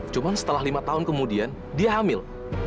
cuma setelah lima tahun kemudian dia hamil